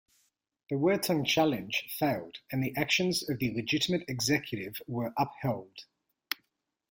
The Whetung challenge failed and the actions of the legitimate Executive were upheld.